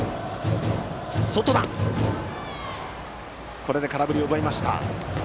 これで空振りを奪いました。